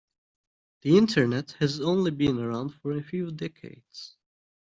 The internet has only been around for a few decades.